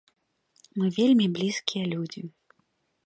Мы вельмі блізкія людзі.